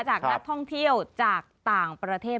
จากนักท่องเที่ยวจากต่างประเทศ